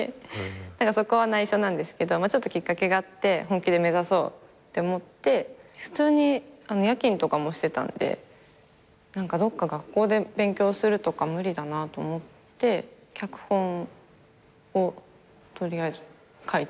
だからそこは内緒なんですけどちょっときっかけがあって本気で目指そうって思って普通に夜勤とかもしてたんでどっか学校で勉強するとか無理だなと思って脚本を取りあえず書いてみようというか。